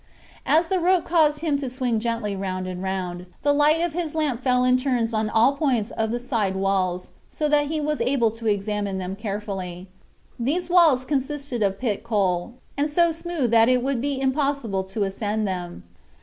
As the rope caused him to swing gently round and round, the light of his lamp fell in turns on all points of the side walls, so that he was able to examine them carefully. These walls consisted of pit coal, and so smooth that it would be impossible to ascend them.